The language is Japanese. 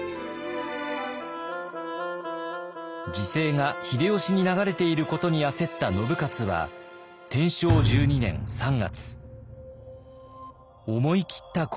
時勢が秀吉に流れていることに焦った信雄は天正１２年３月思い切った行動に出ます。